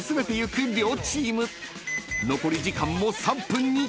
［残り時間も３分に］